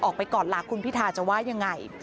ออกไปก่อนล่ะคุณพิธาจะว่ายังไง